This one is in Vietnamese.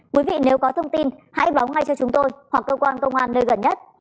quý vị nếu có thông tin hãy báo ngay cho chúng tôi hoặc cơ quan công an nơi gần nhất